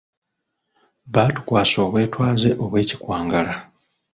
Batukwasa obwetwaze obw'ekikwangala.